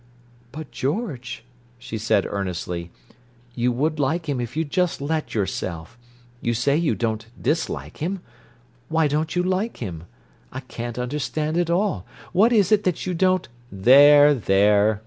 "But, George," she said earnestly, "you would like him, if you'd just let yourself. You say you don't dislike him. Why don't you like him? I can't understand at all. What is it that you don't—" "There, there!"